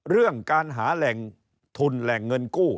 เรื่องการหาแหล่งทุนแหล่งเงินกู้